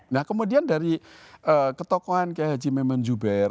nah kemudian dari ketokohan kayi haji memon juber